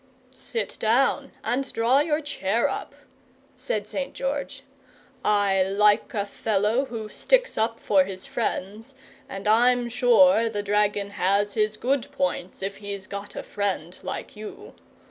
"Sit down, and draw your chair up," said St. George. "I like a fellow who sticks up for his friends, and I'm sure the dragon has his good points, if he's got a friend like you.